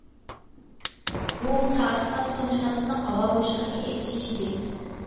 بۇ تارىختا تۇنجى قېتىملىق ھاۋا بوشلۇقىدىكى ئېتىشىش ئىدى.